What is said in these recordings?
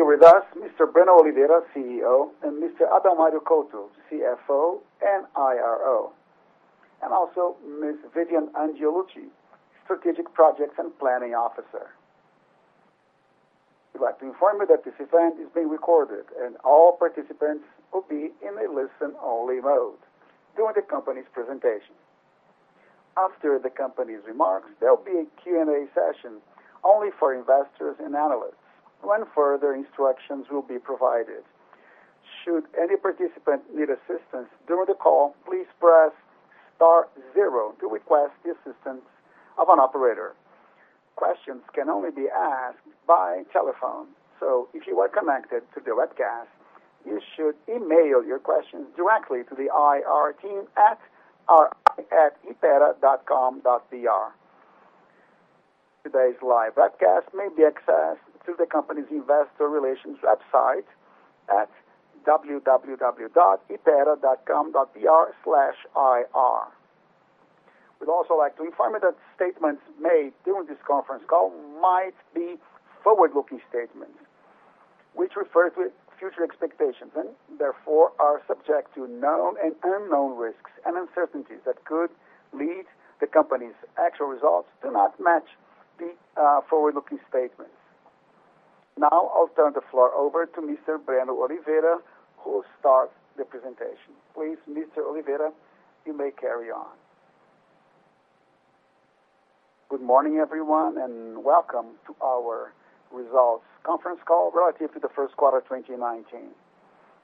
Here with us, Mr. Breno Oliveira, CEO, and Mr. Adalmario Couto, CFO and IRO. Also Ms. Vivian Angiolucci, Strategic Projects and Planning Officer. We would like to inform you that this event is being recorded, and all participants will be in a listen-only mode during the company's presentation. After the company's remarks, there will be a Q&A session only for investors and analysts, when further instructions will be provided. Should any participant need assistance during the call, please press star 0 to request the assistance of an operator. Questions can only be asked by telephone, so if you are connected to the webcast, you should email your questions directly to the IR team at ir@hypera.com.br. Today's live webcast may be accessed through the company's investor relations website at www.hypera.com.br/ir. We would also like to inform you that statements made during this conference call might be forward-looking statements, which refer to future expectations and, therefore, are subject to known and unknown risks and uncertainties that could lead the company's actual results to not match the forward-looking statements. Now, I will turn the floor over to Mr. Breno Oliveira, who will start the presentation. Please, Mr. Oliveira, you may carry on. Good morning, everyone, and welcome to our results conference call relative to the first quarter of 2019.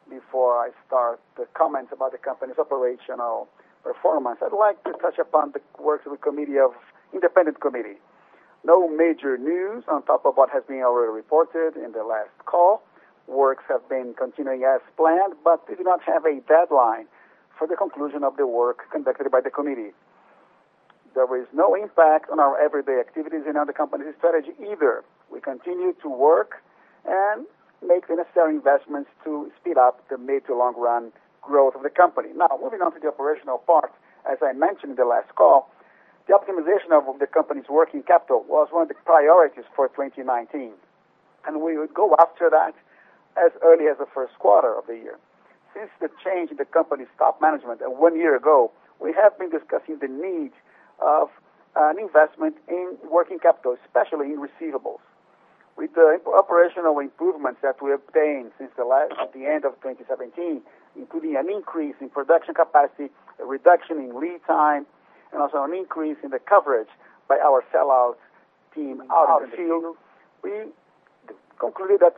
Before I start the comments about the company's operational performance, I would like to touch upon the works of the independent committee. No major news on top of what has been already reported in the last call. Works have been continuing as planned. We do not have a deadline for the conclusion of the work conducted by the committee. There is no impact on our everyday activities and on the company's strategy either. We continue to work and make the necessary investments to speed up the mid to long-run growth of the company. Now, moving on to the operational part. As I mentioned in the last call, the optimization of the company's working capital was one of the priorities for 2019. We would go after that as early as the first quarter of the year. Since the change in the company's top management one year ago, we have been discussing the need of an investment in working capital, especially in receivables. With the operational improvements that we obtained since the end of 2017, including an increase in production capacity, a reduction in lead time, and also an increase in the coverage by our sellouts team out in the field, we concluded that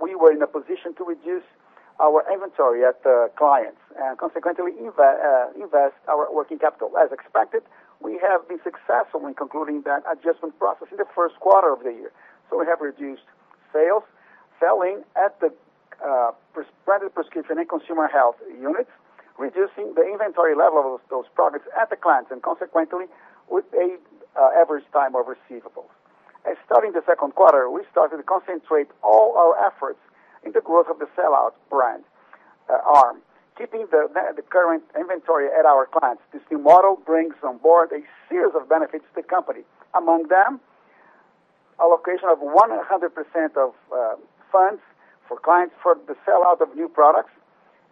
we were in a position to reduce our inventory at the clients and consequently invest our working capital. As expected, we have been successful in concluding that adjustment process in the first quarter of the year. We have reduced sales, selling at the branded prescription and consumer health units, reducing the inventory level of those products at the clients, and consequently, with an average time of receivables. Starting the second quarter, we started to concentrate all our efforts in the growth of the sellout brand arm, keeping the current inventory at our clients. This new model brings on board a series of benefits to the company. Among them, allocation of 100% of funds for clients for the sellout of new products,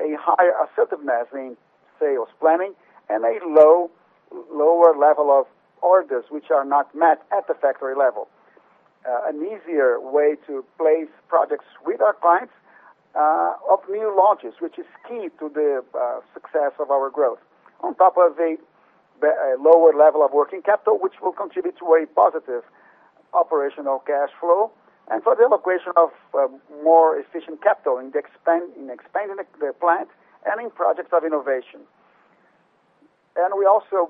a higher assertiveness in sales planning, and a lower level of orders which are not met at the factory level. An easier way to place products with our clients of new launches, which is key to the success of our growth. On top of a lower level of working capital, which will contribute to a positive operational cash flow, and for the allocation of more efficient capital in expanding the plant and in projects of innovation. We also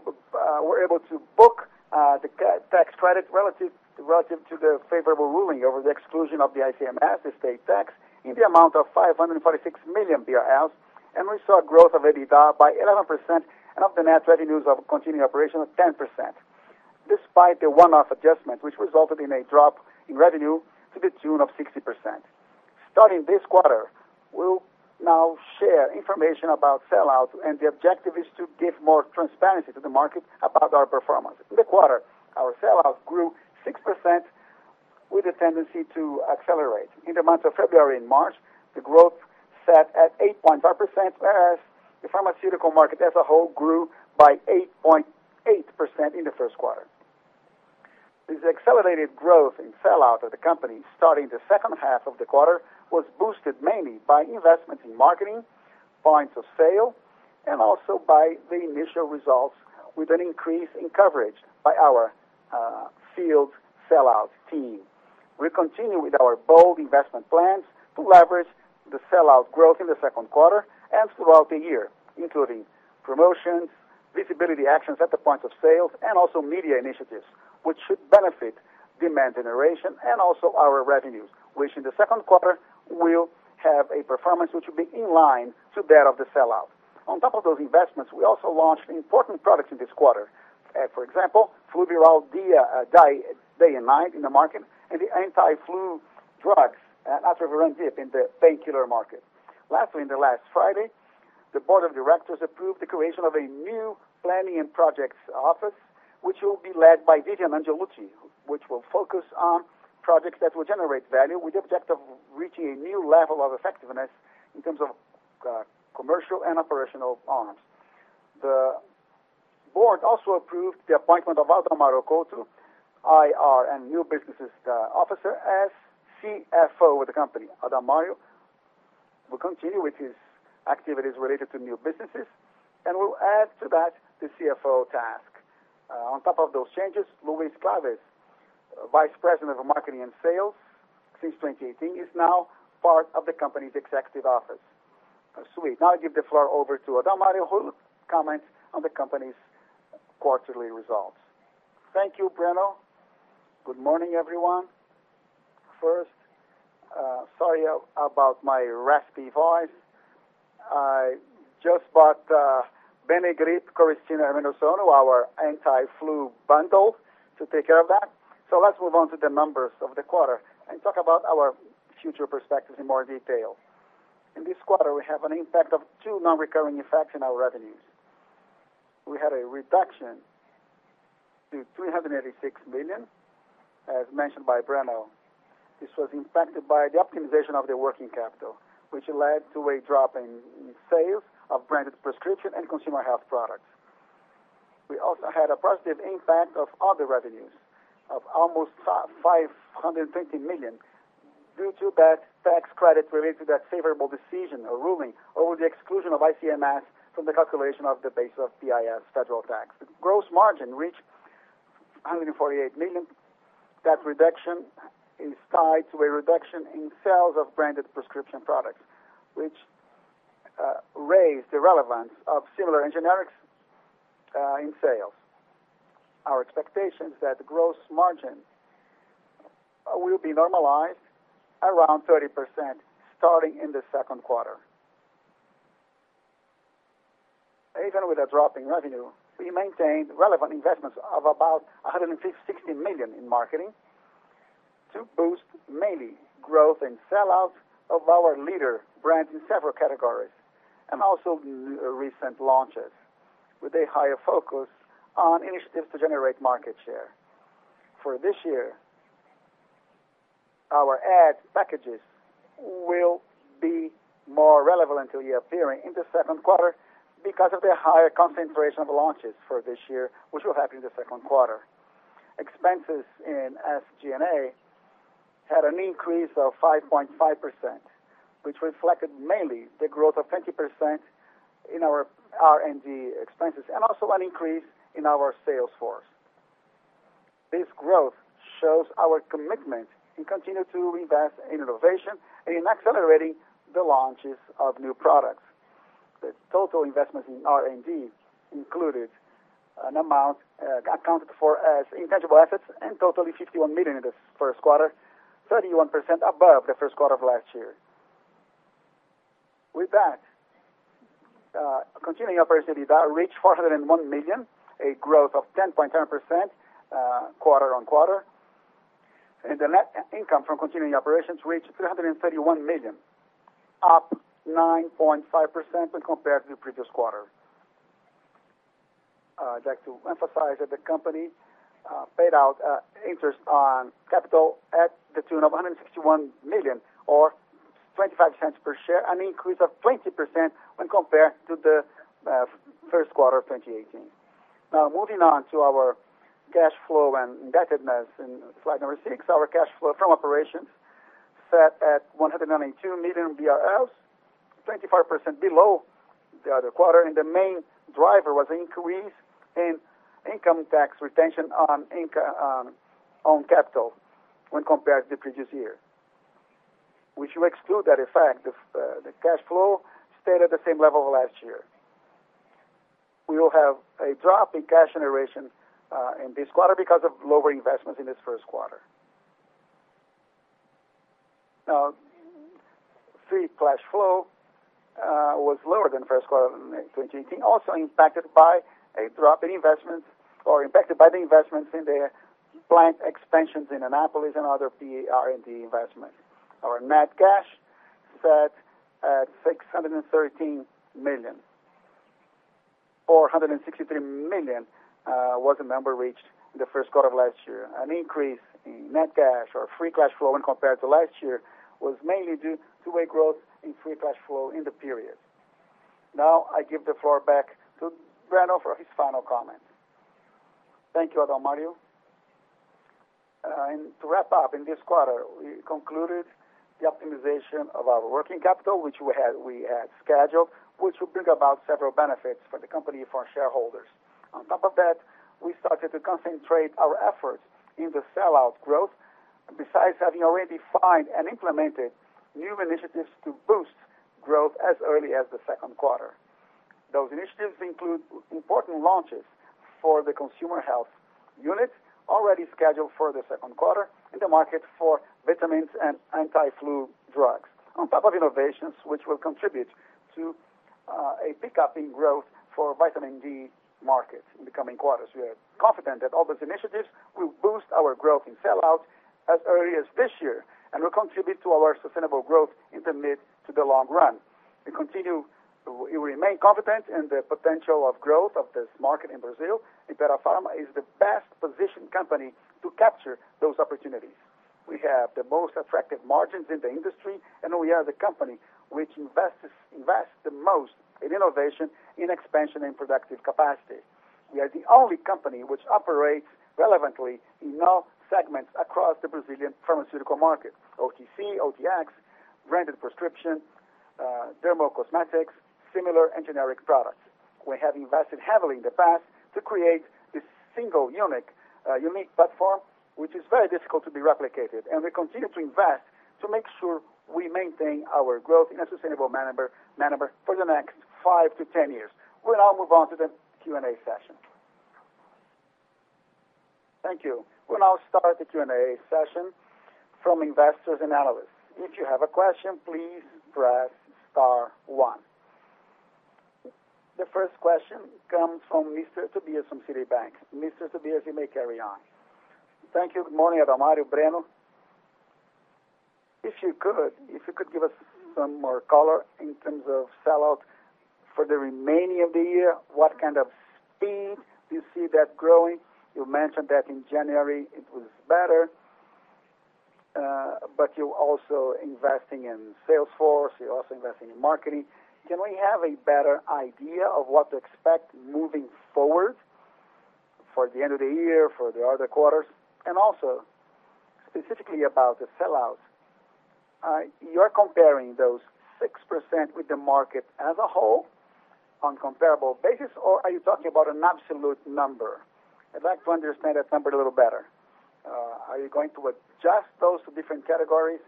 were able to book the tax credit relative to the favorable ruling over the exclusion of the ICMS, the state tax, in the amount of 546 million BRL, and we saw a growth of EBITDA by 11%, and of the net revenues of continuing operation of 10%, despite the one-off adjustment, which resulted in a drop in revenue to the tune of 60%. Starting this quarter, we'll now share information about sellouts, the objective is to give more transparency to the market about our performance. In the quarter, our sellouts grew 6% with a tendency to accelerate. In the months of February and March, the growth sat at 8.5%, whereas the pharmaceutical market as a whole grew by 8.8% in the first quarter. This accelerated growth in sellout of the company starting the second half of the quarter was boosted mainly by investment in marketing, points of sale, and also by the initial results with an increase in coverage by our field sellout team. We continue with our bold investment plans to leverage the sellout growth in the second quarter and throughout the year, including promotions, visibility actions at the point of sales, and also media initiatives, which should benefit demand generation and also our revenues, which in the second quarter will have a performance which will be in line to that of the sellout. On top of those investments, we also launched important products in this quarter. For example, Fluviral Dia, day and night in the market, and the anti-flu drugs, as we run deep in the painkiller market. Lastly, in the last Friday, the board of directors approved the creation of a new planning and projects office, which will be led by Vivian Angiolucci, which will focus on projects that will generate value with the objective of reaching a new level of effectiveness in terms of commercial and operational arms. The board also approved the appointment of Adalmario Couto, IR and New Businesses Officer, as CFO of the company. Adalmario will continue with his activities related to new businesses and will add to that the CFO task. On top of those changes, Luiz Clavis, Vice President of Marketing and Sales since 2018, is now part of the company's executive office. Sweet. Now I give the floor over to Adalmario, who will comment on the company's quarterly results. Thank you, Breno. Good morning, everyone. First, sorry about my raspy voice. I just bought Benegrip, Coristina, Menozono, our anti-flu bundle to take care of that. Let's move on to the numbers of the quarter and talk about our future perspectives in more detail. In this quarter, we have an impact of two non-recurring effects in our revenues. We had a reduction to 386 million, as mentioned by Breno. This was impacted by the optimization of the working capital, which led to a drop in sales of branded prescription and consumer health products. We also had a positive impact of other revenues of almost 520 million due to that tax credit related to that favorable decision or ruling over the exclusion of ICMS from the calculation of the base of PIS federal tax. The gross margin reached 148 million. That reduction is tied to a reduction in sales of branded prescription products, which raised the relevance of similar and generics in sales. Our expectation is that gross margin will be normalized around 30%, starting in the second quarter. Even with a drop in revenue, we maintained relevant investments of about 160 million in marketing to boost mainly growth and sell-outs of our leader brand in several categories, and also recent launches, with a higher focus on initiatives to generate market share. For this year, our ad packages will be more relevant to the appearing in the second quarter because of the higher concentration of launches for this year, which will happen in the second quarter. Expenses in SG&A had an increase of 5.5%, which reflected mainly the growth of 20% in our R&D expenses, and also an increase in our sales force. This growth shows our commitment and continue to invest in innovation and in accelerating the launches of new products. The total investments in R&D included an amount accounted for as intangible assets and totaling 51 million in the first quarter, 31% above the first quarter of last year. With that, continuing operations EBITDA reached 401 million, a growth of 10.10% quarter-on-quarter. The net income from continuing operations reached 331 million, up 9.5% when compared to the previous quarter. I'd like to emphasize that the company paid out interest on capital at the tune of 161 million or 0.25 per share, an increase of 20% when compared to the first quarter of 2018. Moving on to our cash flow and indebtedness in slide number six. Our cash flow from operations sat at 192 million BRL, 25% below the other quarter. The main driver was an increase in income tax retention on capital when compared to the previous year, which we exclude that effect. The cash flow stayed at the same level of last year. We will have a drop in cash generation in this quarter because of lower investments in this first quarter. Free cash flow was lower than first quarter of 2018, also impacted by a drop in investment or impacted by the investments in the plant expansions in Anápolis and other R&D investments. Our net cash sat at 613 million, or 163 million was the number reached in the first quarter of last year. An increase in net cash or free cash flow when compared to last year was mainly due to a growth in free cash flow in the period. Now I give the floor back to Breno for his final comment. Thank you, Adalmario. To wrap up, in this quarter, we concluded the optimization of our working capital, which we had scheduled, which will bring about several benefits for the company and for our shareholders. On top of that, we started to concentrate our efforts in the sell-out growth, besides having already defined and implemented new initiatives to boost growth as early as the second quarter. Those initiatives include important launches for the consumer health unit already scheduled for the second quarter in the market for vitamins and anti-flu drugs. On top of innovations, which will contribute to a pickup in growth for vitamin D markets in the coming quarters. We are confident that all these initiatives will boost our growth in sell-outs as early as this year, will contribute to our sustainable growth in the mid to the long run. We continue. We remain confident in the potential of growth of this market in Brazil. Hypera Pharma is the best-positioned company to capture those opportunities. We have the most attractive margins in the industry, we are the company which invests the most in innovation, in expansion, and productive capacity. We are the only company which operates relevantly in all segments across the Brazilian pharmaceutical market: OTC, OTX, branded prescription, dermo-cosmetics, similar and generic products. We have invested heavily in the past to create this single, unique platform, which is very difficult to be replicated. We continue to invest to make sure we maintain our growth in a sustainable manner for the next five to 10 years. We'll now move on to the Q&A session. Thank you. We'll now start the Q&A session from investors and analysts. If you have a question, please press star one. The first question comes from Mr. Tobias from Citibank. Mr. Tobias, you may carry on. Thank you. Good morning, Adalmario, Breno. If you could give us some more color in terms of sell-out for the remaining of the year, what kind of speed do you see that growing? You mentioned that in January it was better, you're also investing in sales force, you're also investing in marketing. Can we have a better idea of what to expect moving forward for the end of the year, for the other quarters? Also, specifically about the sell-outs, you're comparing those 6% with the market as a whole on comparable basis, or are you talking about an absolute number? I'd like to understand that number a little better. Are you going to adjust those to different categories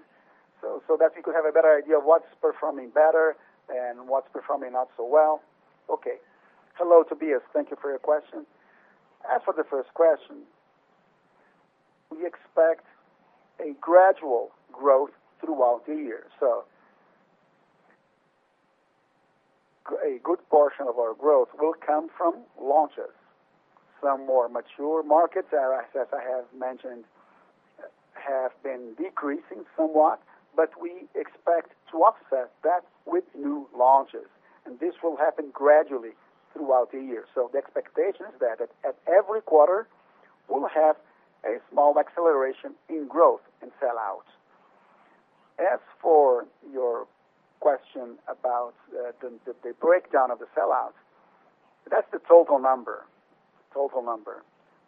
so that we could have a better idea of what's performing better and what's performing not so well? Okay. Hello, Tobias. Thank you for your question. As for the first question, we expect a gradual growth throughout the year. A good portion of our growth will come from launches. Some more mature markets, as I have mentioned, have been decreasing somewhat, we expect to offset that with new launches, this will happen gradually throughout the year. The expectation is that at every quarter, we'll have a small acceleration in growth in sell-out. As for your question about the breakdown of the sell-outs, that's the total number.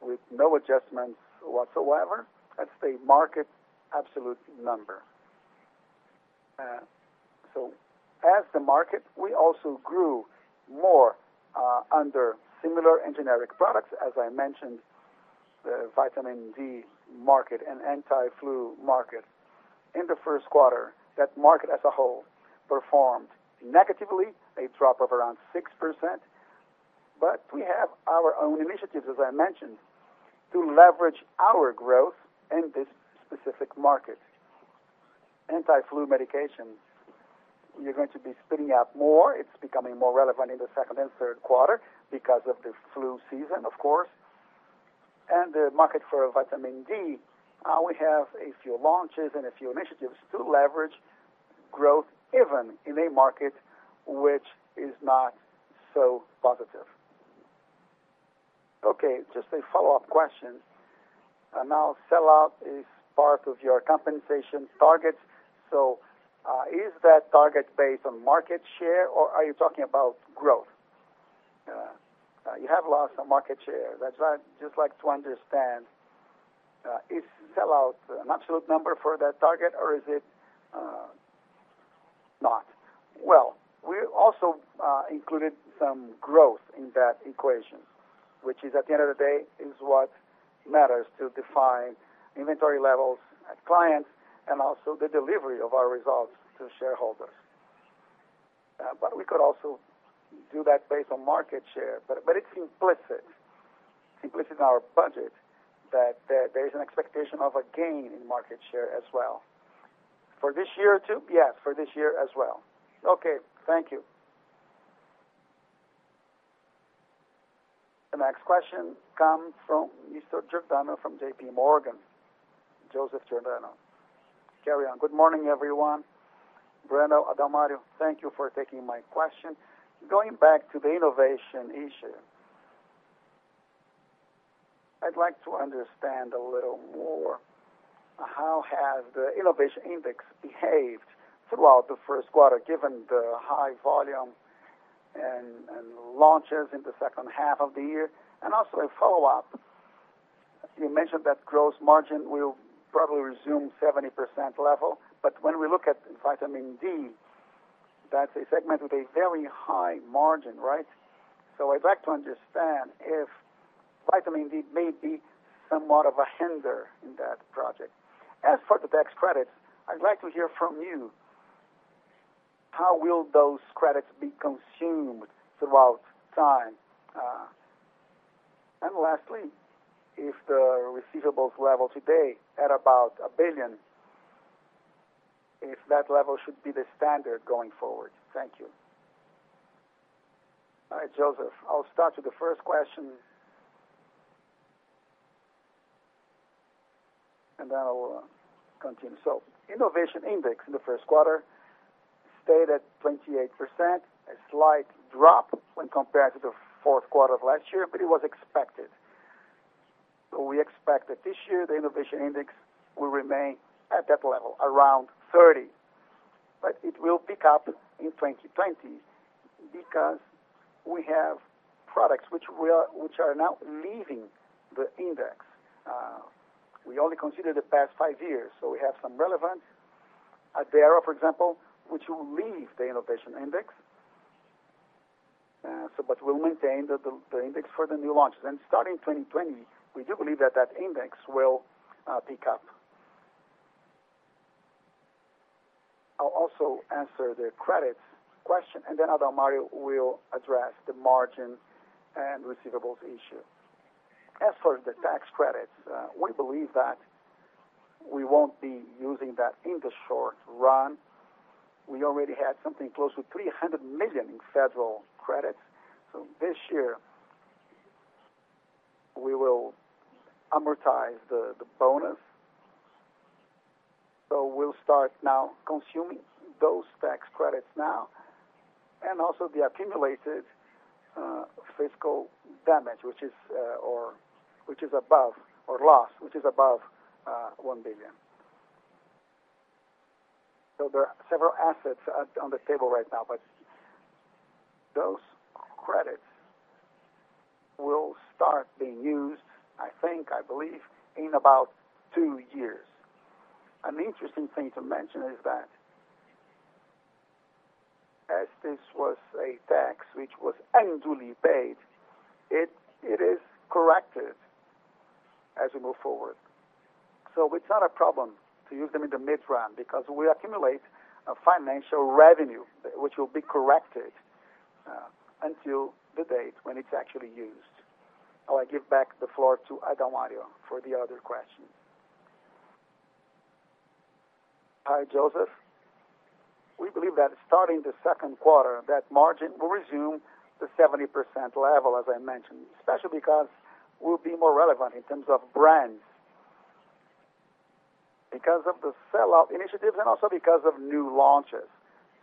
With no adjustments whatsoever. That's a market absolute number. As the market, we also grew more under similar and generic products. As I mentioned, the vitamin D market and anti-flu market in the first quarter, that market as a whole performed negatively, a drop of around 6%, but we have our own initiatives, as I mentioned, to leverage our growth in this specific market. Anti-flu medications, we are going to be spinning up more. It's becoming more relevant in the second and third quarter because of the flu season, of course. The market for vitamin D, we have a few launches and a few initiatives to leverage growth even in a market which is not so positive. Okay. Just a follow-up question. Sell-out is part of your compensation targets. Is that target based on market share, or are you talking about growth? You have lost some market share. That's why I'd just like to understand, is sell-out an absolute number for that target or is it not? We also included some growth in that equation, which is at the end of the day, is what matters to define inventory levels at clients and also the delivery of our results to shareholders. We could also do that based on market share. It's implicit in our budget that there is an expectation of a gain in market share as well. For this year, too? Yes, for this year as well. Okay. Thank you. The next question comes from Mr. Giordano from J.P. Morgan. Joseph Giordano, carry on. Good morning, everyone. Breno, Adalmario, thank you for taking my question. Going back to the innovation issue, I'd like to understand a little more how has the innovation index behaved throughout the first quarter, given the high volume and launches in the second half of the year? Also a follow-up, you mentioned that gross margin will probably resume 70% level. When we look at vitamin D, that's a segment with a very high margin, right? I'd like to understand if vitamin D may be somewhat of a hinder in that project. As for the tax credits, I'd like to hear from you how will those credits be consumed throughout time. Lastly, if the receivables level today at about 1 billion, if that level should be the standard going forward. Thank you. All right, Joseph. I'll start with the first question. Then I will continue. Innovation index in the first quarter stayed at 28%, a slight drop when compared to the fourth quarter of last year, it was expected. We expect that this year the innovation index will remain at that level, around 30. It will pick up in 2020 because we have products which are now leaving the index. We only consider the past five years, we have some relevant, Addera, for example, which will leave the innovation index. We'll maintain the index for the new launches. Starting 2020, we do believe that that index will pick up. I'll also answer the credits question, then Adalmario will address the margin and receivables issue. As for the tax credits, we believe that we won't be using that in the short run. We already had something close to 300 million in federal credits. This year, we will amortize the bonus. We'll start now consuming those tax credits now, and also the accumulated fiscal damage, or loss, which is above 1 billion. There are several assets on the table right now, but those credits will start being used, I think, I believe, in about 2 years. An interesting thing to mention is that as this was a tax which was unduly paid, it is corrected as we move forward. It's not a problem to use them in the mid-run because we accumulate a financial revenue, which will be corrected until the date when it's actually used. I give back the floor to Adalmario for the other questions. Hi, Joseph. We believe that starting the second quarter, that margin will resume the 70% level, as I mentioned, especially because we'll be more relevant in terms of brands. Because of the sellout initiatives and also because of new launches.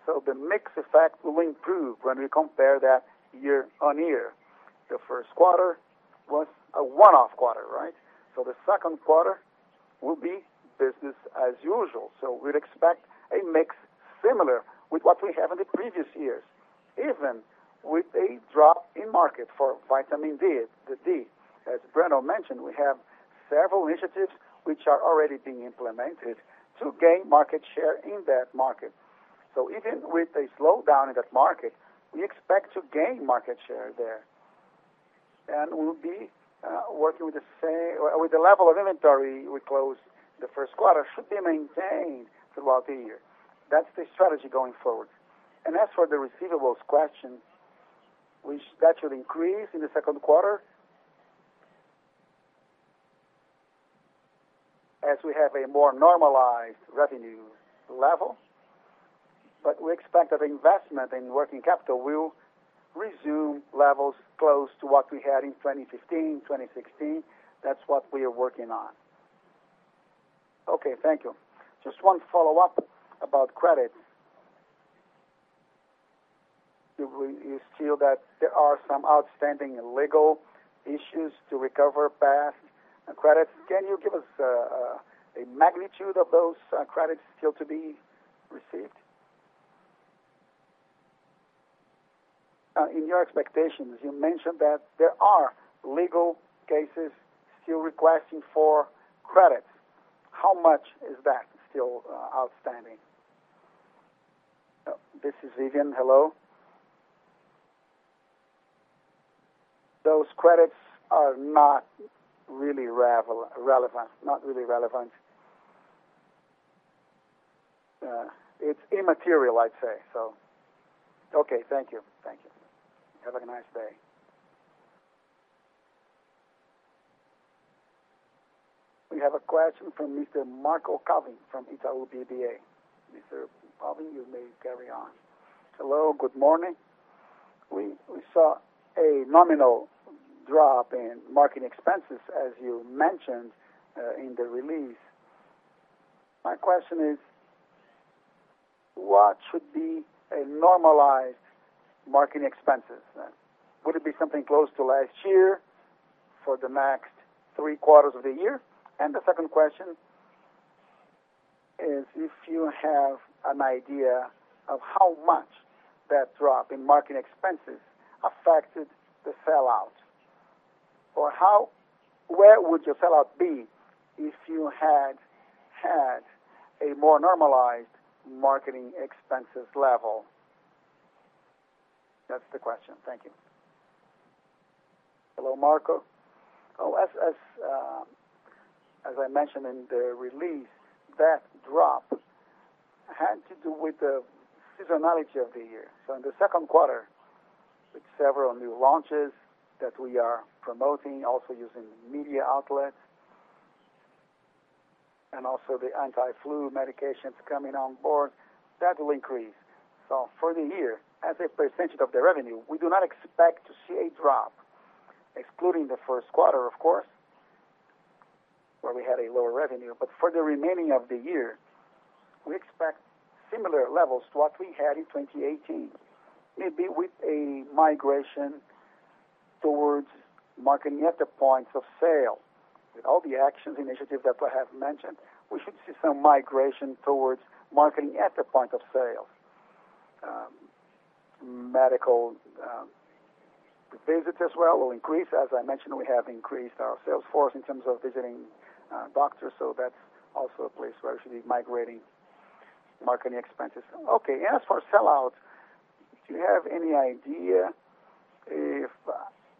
The mix effect will improve when we compare that year-on-year. The first quarter was a one-off quarter, right? The second quarter will be business as usual. We'd expect a mix similar with what we have in the previous years, even with a drop in market for vitamin D. As Breno mentioned, we have several initiatives which are already being implemented to gain market share in that market. Even with a slowdown in that market, we expect to gain market share there. We'll be working with the level of inventory we closed the first quarter should be maintained throughout the year. That's the strategy going forward. As for the receivables question, that should increase in the second quarter as we have a more normalized revenue level. We expect that investment in working capital will resume levels close to what we had in 2015, 2016. That's what we are working on. Okay. Thank you. Just one follow-up about credit. You feel that there are some outstanding legal issues to recover past credits. Can you give us a magnitude of those credits still to be received? In your expectations, you mentioned that there are legal cases still requesting for credits. How much is that still outstanding? This is Vivian. Hello. Those credits are not really relevant. It's immaterial, I'd say. Okay. Thank you. Thank you. Have a nice day. We have a question from Mr. Mauricio Cepeda from Itaú BBA. Mr. Cepeda, you may carry on. Hello. Good morning. We saw a nominal drop in marketing expenses, as you mentioned in the release. My question is, what should be a normalized marketing expenses? Would it be something close to last year for the next 3 quarters of the year? The second question is if you have an idea of how much that drop in marketing expenses affected the sellout, or where would your sellout be if you had had a more normalized marketing expenses level? That's the question. Thank you. Hello, Mauricio. As I mentioned in the release, that drop had to do with the seasonality of the year. In the second quarter, with several new launches that we are promoting, also using media outlets, and also the anti-flu medications coming on board, that will increase. For the year, as a percentage of the revenue, we do not expect to see a drop. Excluding the first quarter, of course, where we had a lower revenue. For the remaining of the year, we expect similar levels to what we had in 2018, maybe with a migration towards marketing at the points of sale. With all the action initiatives that I have mentioned, we should see some migration towards marketing at the point of sale. Medical visits as well will increase. As I mentioned, we have increased our sales force in terms of visiting doctors, so that's also a place where we should be migrating marketing expenses. Okay. As for sell-out, do you have any idea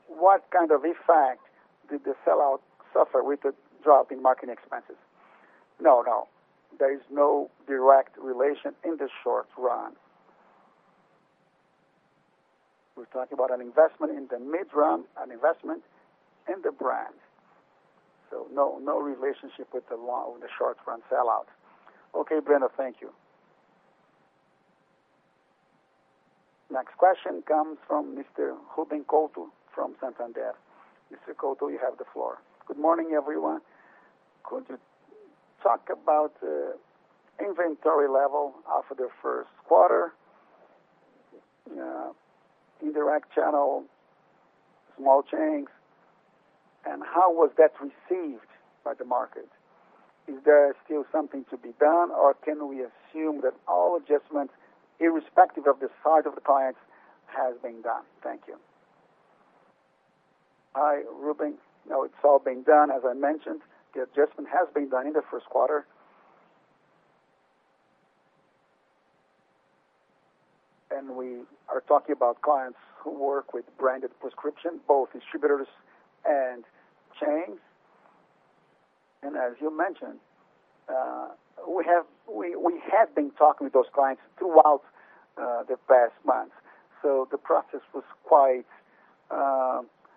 what kind of effect did the sell-out suffer with the drop in marketing expenses? No. There is no direct relation in the short run. We're talking about an investment in the mid-run, an investment in the brand. No relationship with the short-run sell-out. Okay, Breno. Thank you. Next question comes from Mr. Ruben Couto from Santander. Mr. Couto, you have the floor. Good morning, everyone. Could you talk about the inventory level after the first quarter, in the direct channel, small chains, and how was that received by the market? Is there still something to be done, or can we assume that all adjustments, irrespective of the size of the clients, has been done? Thank you. Hi, Ruben. No, it's all been done. As I mentioned, the adjustment has been done in the first quarter. We are talking about clients who work with branded prescription, both distributors and chains. As you mentioned, we have been talking with those clients throughout the past months. The process was quite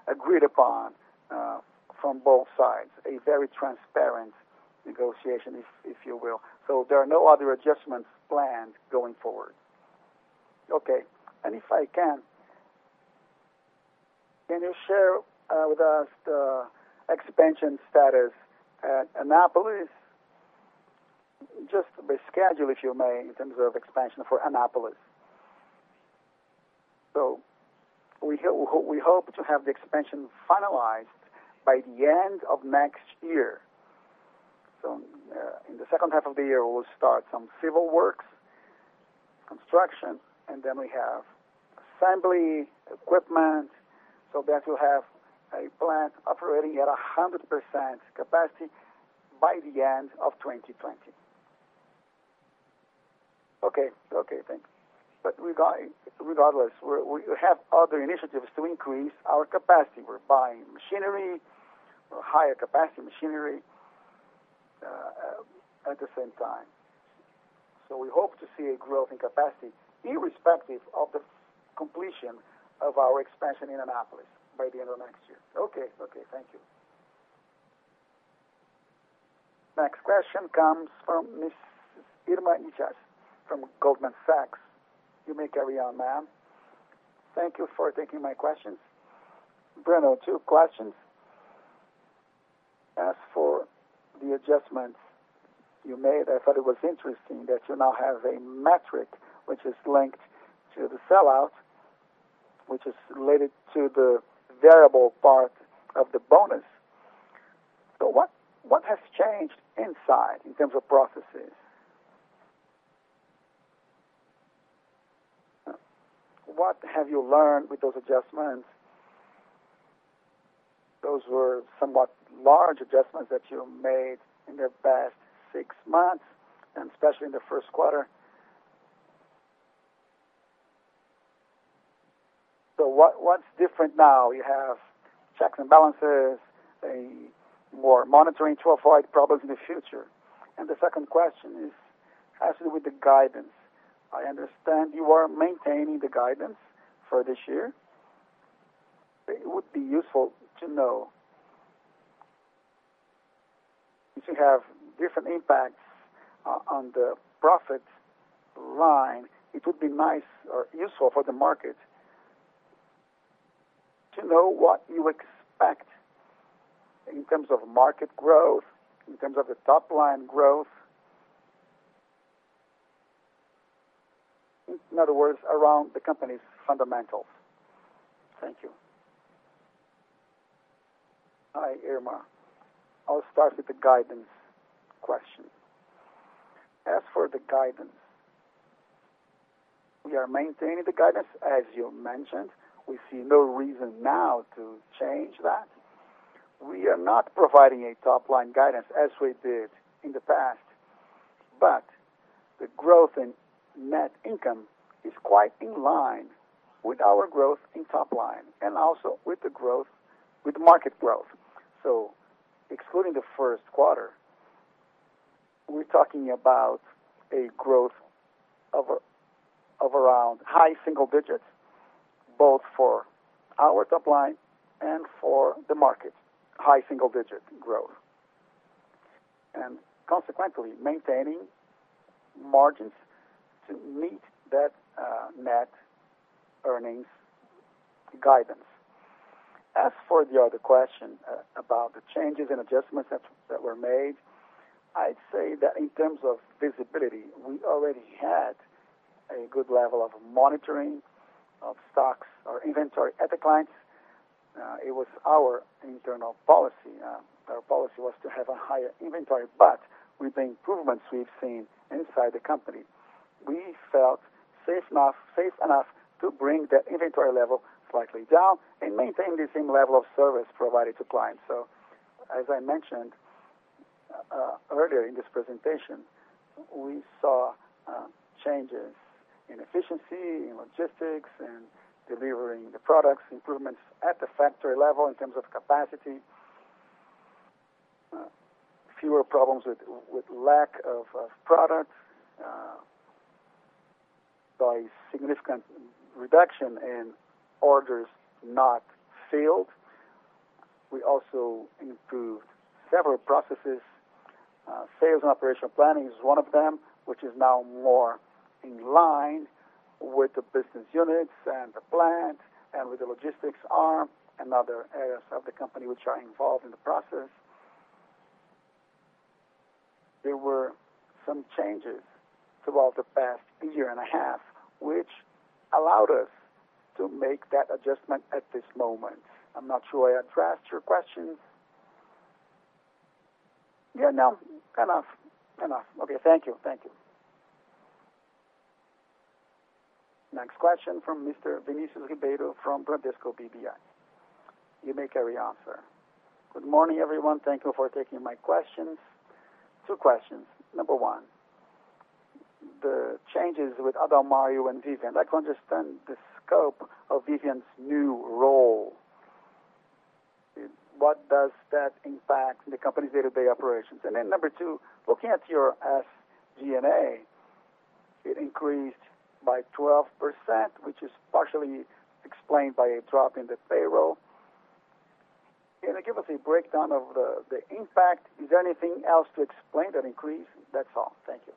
agreed upon from both sides, a very transparent negotiation if you will. There are no other adjustments planned going forward. Okay. If I can you share with us the expansion status at Anápolis? Just the schedule, if you may, in terms of expansion for Anápolis. We hope to have the expansion finalized by the end of next year. In the second half of the year, we'll start some civil works, construction, and then we have assembly equipment, so that we'll have a plant operating at 100% capacity by the end of 2020. Okay. Thanks. Regardless, we have other initiatives to increase our capacity. We're buying machinery or higher capacity machinery at the same time. So we hope to see a growth in capacity irrespective of the completion of our expansion in Anápolis by the end of next year. Okay. Thank you. Next question comes from Miss Irma Sgarz from Goldman Sachs. You may carry on, ma'am. Thank you for taking my questions. Breno, 2 questions. As for the adjustments you made, I thought it was interesting that you now have a metric which is linked to the sell-out, which is related to the variable part of the bonus. What has changed inside in terms of processes? What have you learned with those adjustments? Those were somewhat large adjustments that you made in the past 6 months, and especially in the first quarter. What's different now? You have checks and balances, more monitoring to avoid problems in the future. The second question is as with the guidance. I understand you are maintaining the guidance for this year. It would be useful to know, if you have different impacts on the profit line, it would be nice or useful for the market to know what you expect in terms of market growth, in terms of the top-line growth. In other words, around the company's fundamentals. Thank you. Hi, Irma. I'll start with the guidance question. As for the guidance, we are maintaining the guidance, as you mentioned. We see no reason now to change that. We are not providing a top-line guidance as we did in the past, but the growth in net income is quite in line with our growth in top line and also with market growth. Excluding the first quarter, we're talking about a growth of around high single digits, both for our top line and for the market. High single-digit growth. Consequently, maintaining margins to meet that net earnings guidance. As for the other question about the changes and adjustments that were made, I'd say that in terms of visibility, we already had a good level of monitoring of stocks or inventory at the clients. It was our internal policy. Our policy was to have a higher inventory, but with the improvements we've seen inside the company, we felt safe enough to bring that inventory level slightly down and maintain the same level of service provided to clients. As I mentioned earlier in this presentation, we saw changes in efficiency, in logistics, and delivering the products, improvements at the factory level in terms of capacity, fewer problems with lack of product, by significant reduction in orders not filled. We also improved several processes. Sales and operational planning is one of them, which is now more in line with the business units and the plant and with the logistics arm and other areas of the company which are involved in the process. There were some changes throughout the past year and a half, which allowed us to make that adjustment at this moment. I'm not sure I addressed your questions. Yeah, no, kind of. Okay. Thank you. Next question from Mr. Vinicius Figueiredo from Bradesco BBI. You may carry on, sir. Good morning, everyone. Thank you for taking my questions. Two questions. Number one, the changes with Adalmario and Vivian. I can't understand the scope of Vivian's new role. What does that impact in the company's day-to-day operations? Number two, looking at your SG&A, it increased by 12%, which is partially explained by a drop in the payroll. Can you give us a breakdown of the impact? Is there anything else to explain that increase? That's all. Thank you.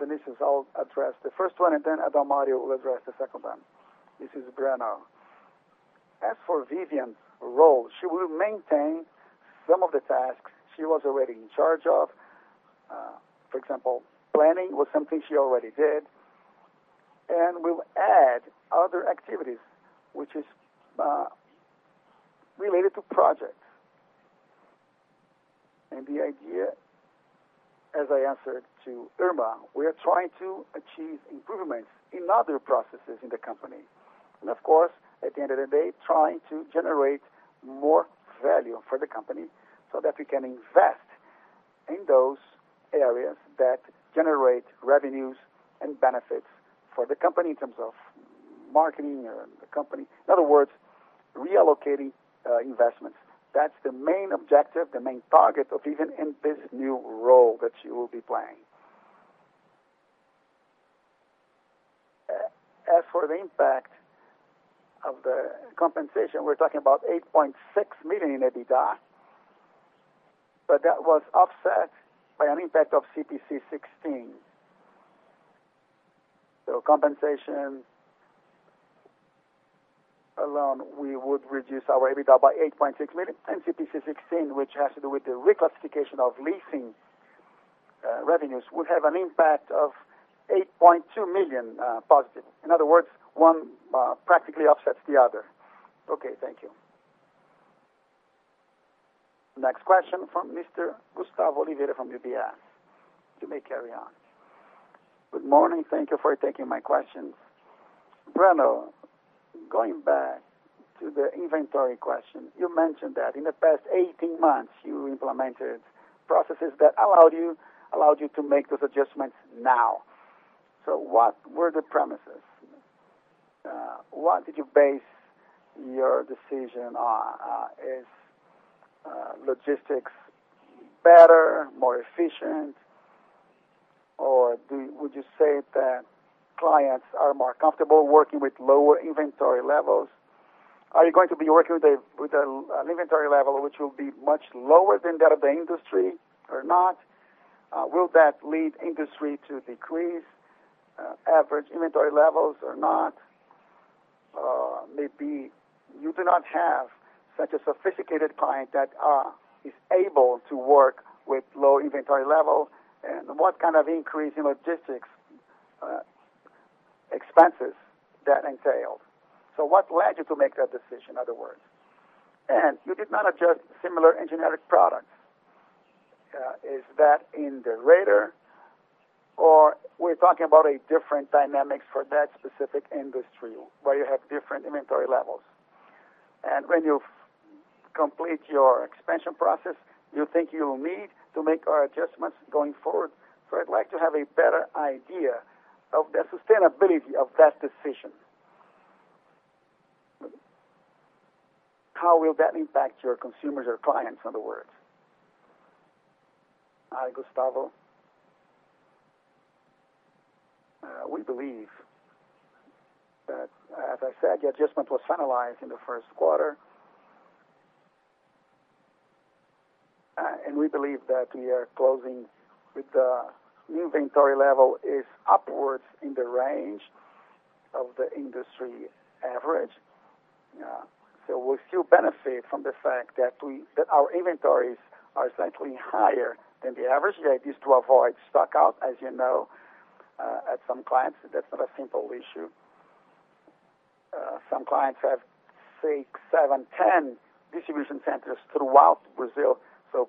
Vinicius, I'll address the first one, and then Adalmario will address the second one. This is Breno. As for Vivian's role, she will maintain some of the tasks she was already in charge of. For example, planning was something she already did, and we'll add other activities, which is related to projects. The idea, as I answered to Irma, we are trying to achieve improvements in other processes in the company. Of course, at the end of the day, trying to generate more value for the company so that we can invest in those areas that generate revenues and benefits for the company in terms of marketing or the company. In other words, reallocating investments. That's the main objective, the main target of Vivian in this new role that she will be playing. As for the impact of the compensation, we're talking about 8.6 million in EBITDA, but that was offset by an impact of CPC 16. Compensation alone, we would reduce our EBITDA by 8.6 million. CPC 16, which has to do with the reclassification of leasing revenues, would have an impact of 8.2 million positive. In other words, one practically offsets the other. Okay. Thank you. Next question from Mr. Gustavo Oliveira from UBS. You may carry on. Good morning. Thank you for taking my questions. Breno, going back to the inventory question. You mentioned that in the past 18 months, you implemented processes that allowed you to make those adjustments now. What were the premises? What did you base your decision on? Is logistics better, more efficient, or would you say that clients are more comfortable working with lower inventory levels? Are you going to be working with an inventory level which will be much lower than that of the industry, or not? Will that lead industry to decrease average inventory levels or not? Maybe you do not have such a sophisticated client that is able to work with low inventory levels, and what kind of increase in logistics expenses that entails. What led you to make that decision, in other words? You did not adjust similar engineering products. Is that in the radar, or we're talking about a different dynamic for that specific industry, where you have different inventory levels? When you complete your expansion process, you think you will need to make our adjustments going forward? I'd like to have a better idea of the sustainability of that decision. How will that impact your consumers or clients, in other words? Hi, Gustavo. We believe that, as I said, the adjustment was finalized in the first quarter. We believe that we are closing with the new inventory level is upwards in the range of the industry average. We still benefit from the fact that our inventories are slightly higher than the average. The idea is to avoid stock-out. As you know, at some clients, that's not a simple issue. Some clients have 6, 7, 10 distribution centers throughout Brazil.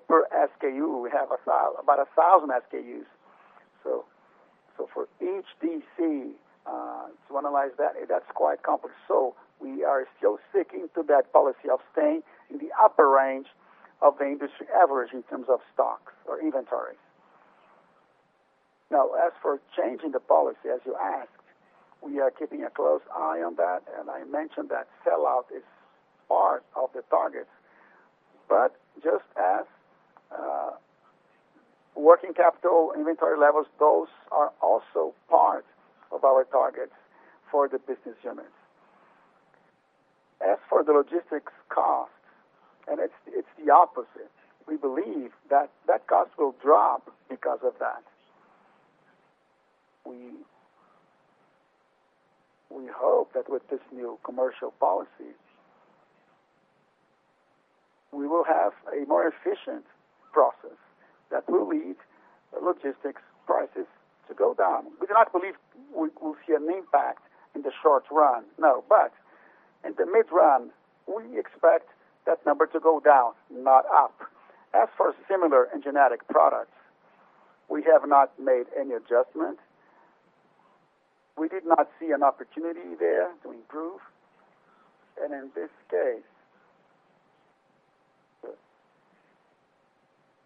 Per SKU, we have about 1,000 SKUs. For each DC, to analyze that's quite complex. We are still sticking to that policy of staying in the upper range of the industry average in terms of stock or inventory. Now, as for changing the policy, as you asked, we are keeping a close eye on that, and I mentioned that sellout is part of the target. Just as working capital inventory levels, those are also part of our targets for the business units. As for the logistics cost, it's the opposite. We believe that cost will drop because of that. We hope that with these new commercial policies, we will have a more efficient process that will lead logistics prices to go down. We do not believe we will see an impact in the short run. No. In the mid run, we expect that number to go down, not up. As for similar and generic products, we have not made any adjustment. We did not see an opportunity there to improve. In this case,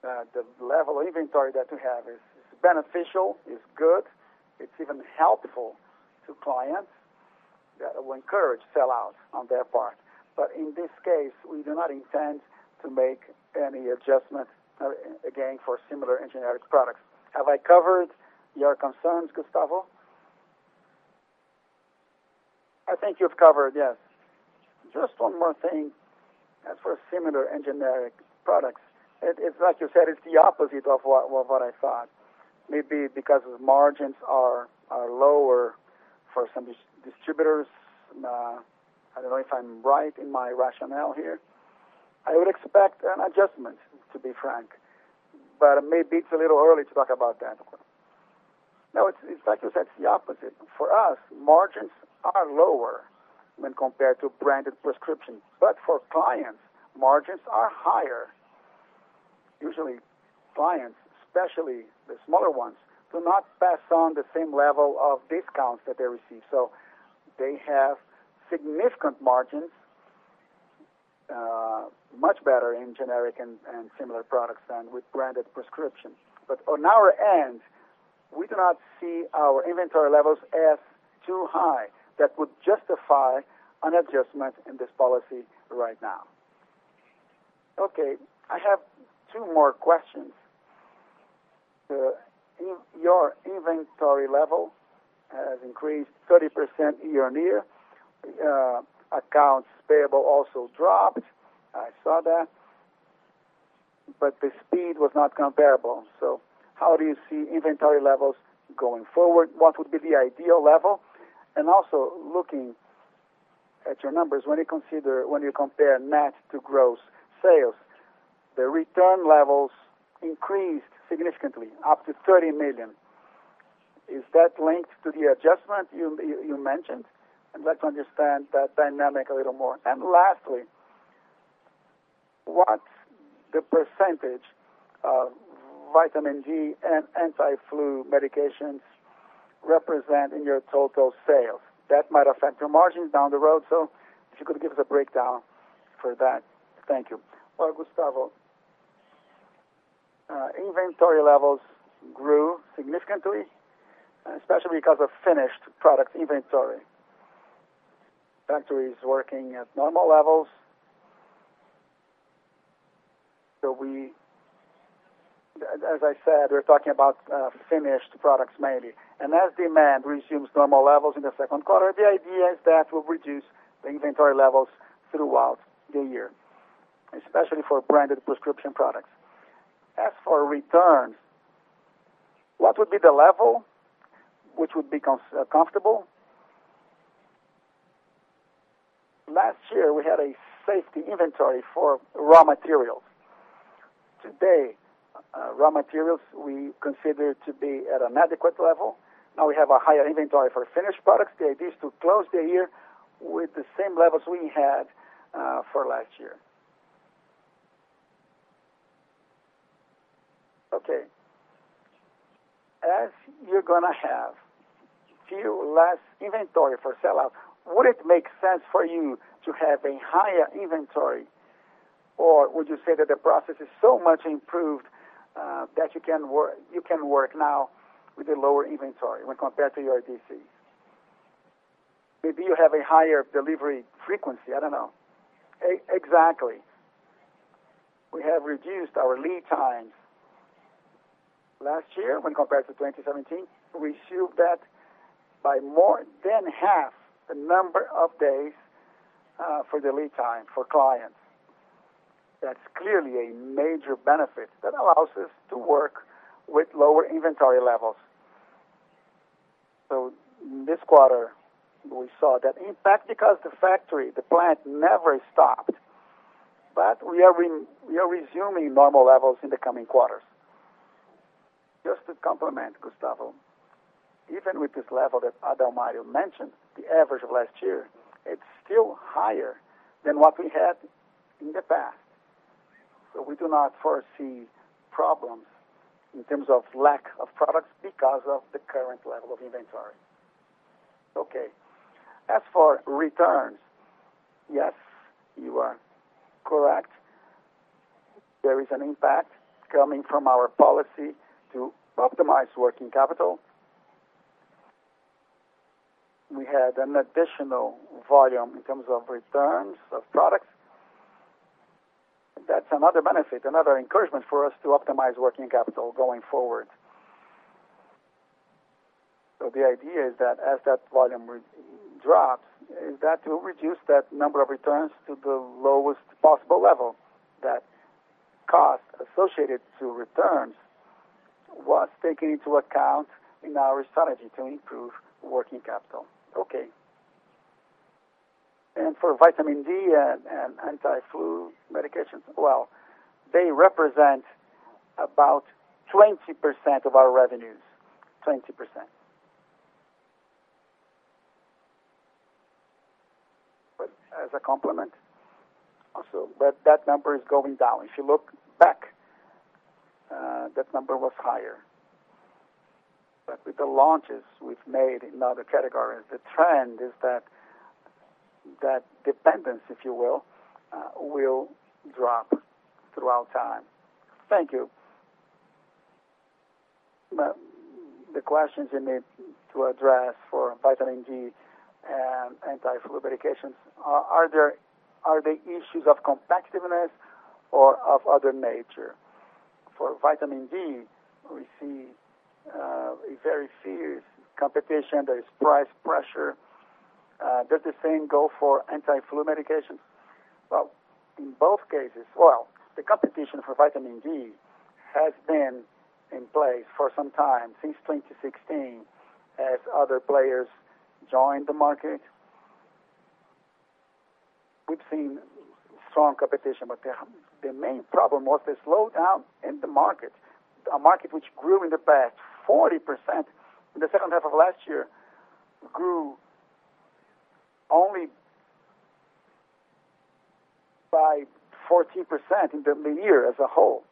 the level of inventory that we have is beneficial, is good, it's even helpful to clients that will encourage sellouts on their part. In this case, we do not intend to make any adjustment, again, for similar and generic products. Have I covered your concerns, Gustavo? I think you've covered, yes. Just one more thing. For similar and generic products, it's like you said, it's the opposite of what I thought. Maybe because the margins are lower for some distributors. I don't know if I'm right in my rationale here. I would expect an adjustment, to be frank. Maybe it's a little early to talk about that. It's like you said, it's the opposite. For us, margins are lower when compared to branded prescriptions. For clients, margins are higher. Usually, clients, especially the smaller ones, do not pass on the same level of discounts that they receive. They have significant margins, much better in generic and similar products than with branded prescriptions. On our end, we do not see our inventory levels as too high that would justify an adjustment in this policy right now. Okay. I have two more questions. Your inventory level has increased 30% year-over-year. Accounts payable also dropped. I saw that. The speed was not comparable. How do you see inventory levels going forward? What would be the ideal level? Also looking at your numbers, when you compare net to gross sales, the return levels increased significantly, up to 30 million. Is that linked to the adjustment you mentioned? I'd like to understand that dynamic a little more. Lastly, what the percentage of vitamin D and anti-flu medications represent in your total sales? That might affect your margins down the road, so if you could give us a breakdown for that. Thank you. Well, Gustavo, inventory levels grew significantly, especially because of finished product inventory. Factories working at normal levels. As I said, we're talking about finished products mainly. As demand resumes normal levels in the second quarter, the idea is that will reduce the inventory levels throughout the year, especially for branded prescription products. For returns, what would be the level which would be comfortable? Last year, we had a safety inventory for raw materials. Today, raw materials, we consider to be at an adequate level. Now we have a higher inventory for finished products. The idea is to close the year with the same levels we had for last year. Okay. You're going to have few less inventory for sellout, would it make sense for you to have a higher inventory, or would you say that the process is so much improved that you can work now with a lower inventory when compared to your DC? Maybe you have a higher delivery frequency, I don't know. Exactly. We have reduced our lead times. Last year when compared to 2017, we shaved that by more than half the number of days for the lead time for clients. That's clearly a major benefit that allows us to work with lower inventory levels. This quarter, we saw that in fact, because the factory, the plant never stopped. We are resuming normal levels in the coming quarters. Just to complement, Gustavo, even with this level that Adalmario mentioned, the average of last year, it's still higher than what we had in the past. We do not foresee problems in terms of lack of products because of the current level of inventory. Okay. As for returns, yes, you are correct. There is an impact coming from our policy to optimize working capital. We had an additional volume in terms of returns of products. That's another benefit, another encouragement for us to optimize working capital going forward. The idea is that as that volume drops, is that will reduce that number of returns to the lowest possible level. That cost associated to returns was taken into account in our strategy to improve working capital. Okay. For vitamin D and anti-flu medications, well, they represent about 20% of our revenues. 20%. As a complement also, but that number is going down. If you look back, that number was higher. With the launches we've made in other categories, the trend is that dependence, if you will drop throughout time. Thank you. The questions you need to address for vitamin D and anti-flu medications, are they issues of competitiveness or of other nature? For vitamin D, we see a very fierce competition. There is price pressure. Does the same go for anti-flu medications? In both cases-- Well, the competition for vitamin D has been in place for some time, since 2016, as other players joined the market. We've seen strong competition, but the main problem was the slowdown in the market. A market which grew in the past 40% in the second half of last year, grew only by 14% in the year as a whole.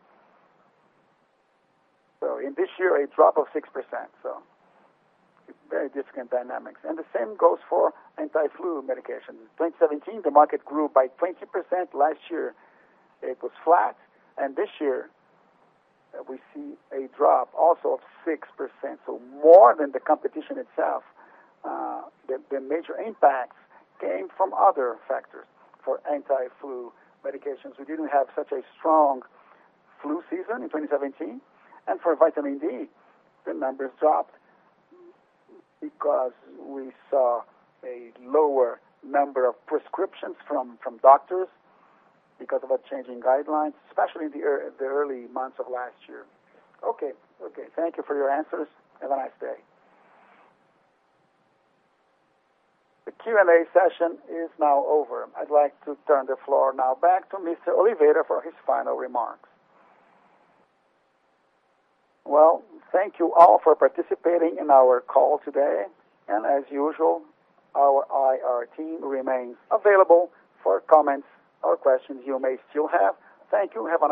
In this year, a drop of 6%, so very different dynamics. The same goes for anti-flu medications. 2017, the market grew by 20%. Last year it was flat, this year we see a drop also of 6%. More than the competition itself, the major impacts came from other factors. For anti-flu medications, we didn't have such a strong flu season in 2017. For vitamin D, the numbers dropped because we saw a lower number of prescriptions from doctors because of a change in guidelines, especially in the early months of last year. Okay. Thank you for your answers. Have a nice day. The Q&A session is now over. I'd like to turn the floor now back to Mr. Oliveira for his final remarks. Thank you all for participating in our call today, and as usual, our IR team remains available for comments or questions you may still have. Thank you. Have a nice day.